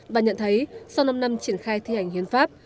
và nhận thấy sau năm năm triển khai thi hành hiến pháp